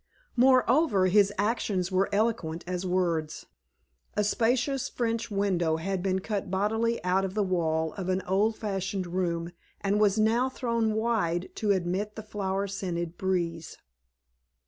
Moreover, his actions were eloquent as words. A spacious French window had been cut bodily out of the wall of an old fashioned room, and was now thrown wide to admit the flower scented breeze.